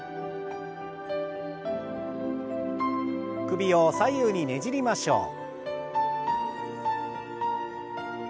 首を左右にねじりましょう。